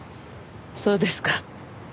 そうですか。